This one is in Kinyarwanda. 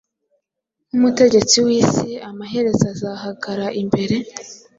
nk’umutegetsi w’isi amaherezo azahagara imbere,